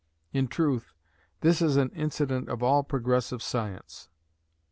In truth, this is an incident of all progressive science.